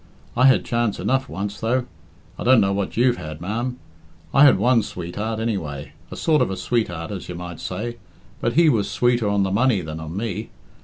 I had chance enough once, though I don't know what you've had, ma'am. I had one sweetheart, anyway a sort of a sweetheart, as you might say; but he was sweeter on the money than on me.